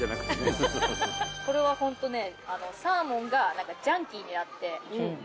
・これはホントね。